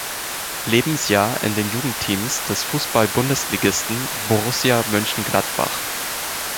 Lebensjahr in den Jugendteams des Fußball-Bundesligisten Borussia Mönchengladbach.